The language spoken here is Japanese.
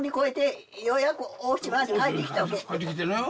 帰ってきてるよ。